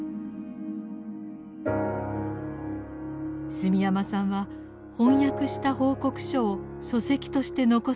住山さんは翻訳した報告書を書籍として残そうとしています。